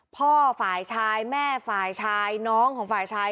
พ่อฝ่ายชายแม่ฝ่ายชายน้องของฝ่ายชาย